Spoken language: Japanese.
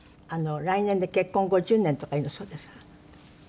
来年で結婚５０年とかいうんだそうですが。